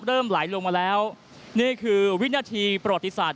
ไหลลงมาแล้วนี่คือวินาทีประวัติศาสต